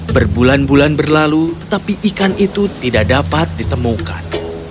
berbulan bulan berlalu tetapi ikan itu tidak dapat ditemukan